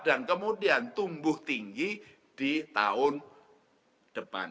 dan kemudian tumbuh tinggi di tahun depan